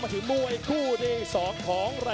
มีความรู้สึกว่า